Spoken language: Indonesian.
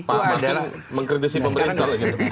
pak martin mengkritis pemerintah